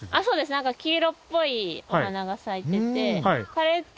なんか黄色っぽいお花が咲いてて。